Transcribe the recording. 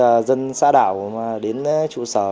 các dân xã đảo đến trụ sở